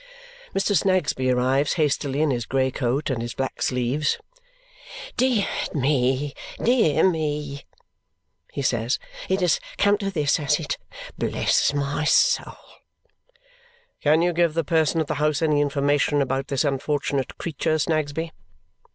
Mr. Snagsby arrives hastily in his grey coat and his black sleeves. "Dear me, dear me," he says; "and it has come to this, has it! Bless my soul!" "Can you give the person of the house any information about this unfortunate creature, Snagsby?"